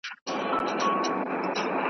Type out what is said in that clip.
زه په تا پسي ځان نه سم رسولای ,